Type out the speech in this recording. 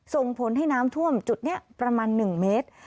ส่งผลให้น้ำท่วมจุดนี้ประมาณ๑เมตร